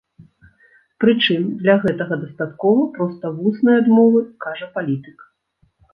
Прычым для гэтага дастаткова проста вуснай адмовы, кажа палітык.